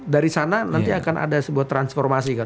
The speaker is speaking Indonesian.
dari sana nanti akan ada sebuah transformasi kan